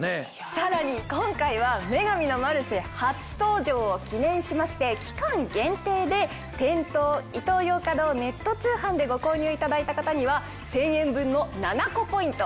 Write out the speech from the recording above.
さらに今回は『女神のマルシェ』初登場を記念しまして期間限定で店頭イトーヨーカドーネット通販でご購入いただいた方には１０００円分のｎａｎａｃｏポイントを。